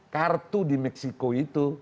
kartu di meksiko itu